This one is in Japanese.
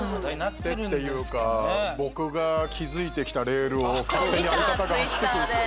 ていうか僕が築いてきたレールを勝手に相方が走ってくるんすよ